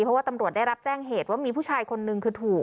เพราะว่าตำรวจได้รับแจ้งเหตุว่ามีผู้ชายคนนึงคือถูก